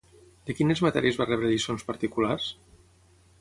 De quines matèries va rebre lliçons particulars?